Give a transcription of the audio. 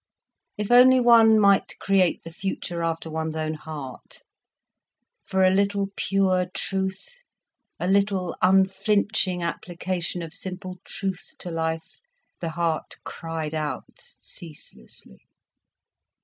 If only one might create the future after one's own heart—for a little pure truth, a little unflinching application of simple truth to life, the heart cried out ceaselessly.